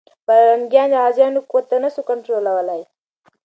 پرنګیان د غازيانو قوت نه سو کنټرولولی.